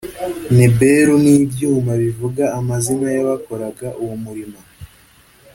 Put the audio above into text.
nebelu n ibyuma bivuga amazina y abakoraga uwo murimo